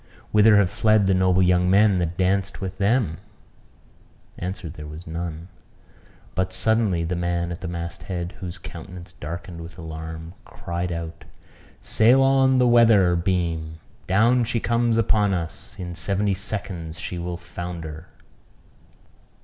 Whither have fled the noble young men that danced with them?" Answer there was none. But suddenly the man at the mast head, whose countenance darkened with alarm, cried out "Sail on the weather beam! Down she comes upon us: in seventy seconds she will founder!"